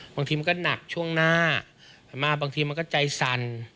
บางทีมันก็หนักช่วงหน้ามาบางทีมันก็ใจสั่น